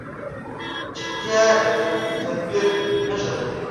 چپتیا، د تدبیر نښه ده.